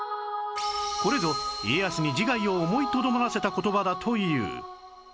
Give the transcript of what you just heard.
これぞ家康に自害を思いとどまらせた言葉だという